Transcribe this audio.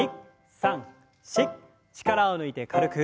力を抜いて軽く。